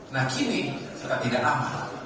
nah kini kita tidak aman